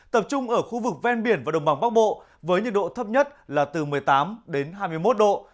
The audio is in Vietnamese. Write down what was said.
tập trung ở khu vực ven biển và đồng bằng bắc bộ với nhiệt độ thấp nhất là từ một mươi tám đến hai mươi một độ